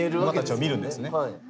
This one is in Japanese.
馬たちを見るんですね。